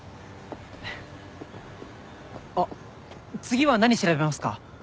あっ次は何調べますか？